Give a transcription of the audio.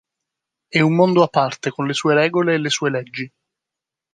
È un mondo a parte con le sue regole e le sue leggi.